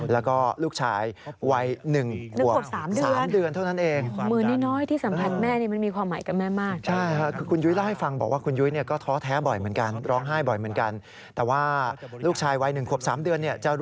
แล้วก็ลูกชายวัย๑